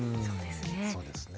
そうですね。